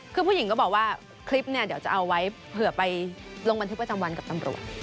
คือผู้หญิงก็บอกว่าคลิปเนี่ยเดี๋ยวจะเอาไว้เผื่อไปลงบันทึกประจำวันกับตำรวจ